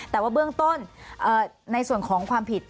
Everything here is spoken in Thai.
แต่ว่าเบื้องต้นในส่วนของความผิด